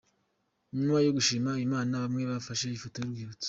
Nyuma yo gushima Imana bamwe bafashe ifoto y'urwibutso.